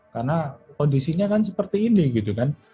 karena kondisinya kan seperti ini gitu kan